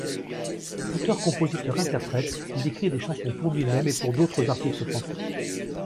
Auteur-compositeur-interprète, il écrit des chansons pour lui-même et pour d'autres artistes français.